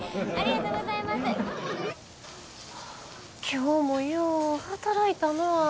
今日もよう働いたな。